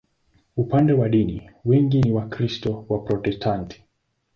Upande wa dini, wengi ni Wakristo Waprotestanti.